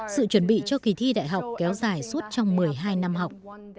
sự chuẩn bị cho kỳ thi đại học kéo dài suốt trong một mươi hai năm học